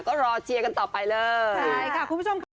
ก็รอเชียร์กันต่อไปเลย